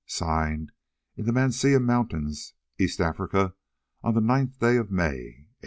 "Signed in the Manica Mountains, Eastern Africa, on the ninth day of May 18—."